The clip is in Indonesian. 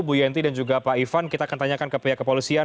bu yenty dan juga pak ivan kita akan tanyakan ke pihak kepolisian